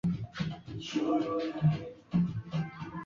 tuna watumishi yaani wale wanao